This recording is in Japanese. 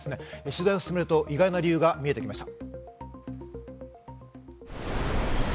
取材を進めると意外な理由が見えてきました。